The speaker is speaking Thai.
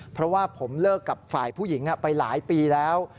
เพราะว่าผมเลิกกับฝ่ายผู้หญิงไปหลายปีแล้ว